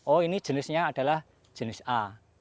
oh ini jenisnya adalah jenis a